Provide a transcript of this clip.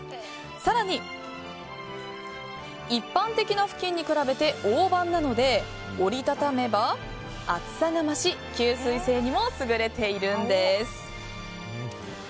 更に、一般的なふきんに比べて大判なので折り畳めば厚さが増し吸水性にも優れているんです。